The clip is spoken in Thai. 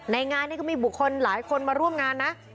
ในงานนี้ก็มีหลายคนมาร่วมงานนะ